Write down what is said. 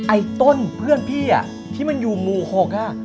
ไอ้ต้นเพื่อนพี่ที่มันอยู่หมู่๖อ่ะ